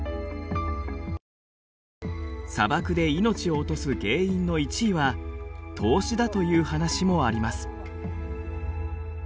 砂漠で命を落とす原因の１位は凍死だという話もあります。